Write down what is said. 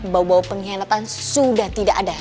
bau bau pengkhianatan sudah tidak ada